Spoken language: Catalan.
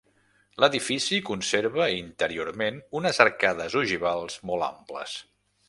L'edifici conserva interiorment unes arcades ogivals molt amples.